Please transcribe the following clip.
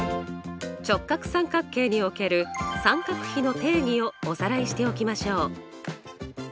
直角三角形における三角比の定義をおさらいしておきましょう。